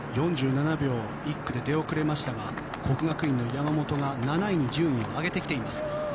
４７秒１区で出遅れましたが國學院の山本が７位に順位を上げてきています。